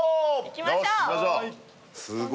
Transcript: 行きましょう。